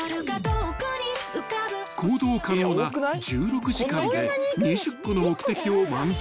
［行動可能な１６時間で２０個の目的を満喫］